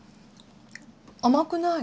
甘くない。